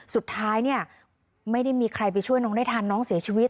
สุดท้ายเนี่ยไม่ได้มีใครไปช่วยน้องได้ทันน้องเสียชีวิต